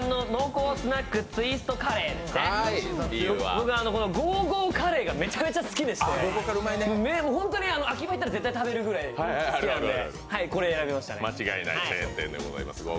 僕、ゴーゴーカレーがめちゃめちゃ好きでして、ホントに秋葉行ったら絶対食べるくらい好きなんで。